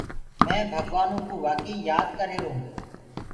مي ڀگوآنو ڪو وآڪي ئي يآد ڪر رهيرو هونٚ۔